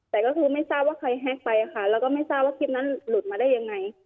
แต่ก็คือไม่ทราบว่าใครแฮ็กไปค่ะแล้วก็ไม่ทราบว่าคลิปนั้นหลุดมาได้ยังไง